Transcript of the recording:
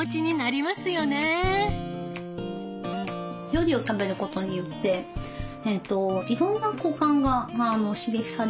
料理を食べることによっていろんな五感が刺激される。